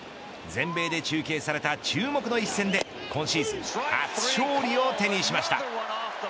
全米で中継された注目の一戦で今シーズン初勝利を手にしました。